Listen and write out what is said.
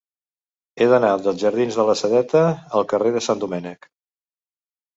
He d'anar dels jardins de la Sedeta al carrer de Sant Domènec.